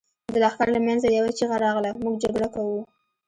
د لښکر له مينځه يوه چيغه راغله! موږ جګړه کوو.